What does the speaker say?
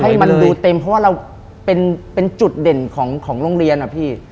ให้มันดูเต็มเพราะว่าเราเป็นจุดเด่นของโรงเรียนอะพี่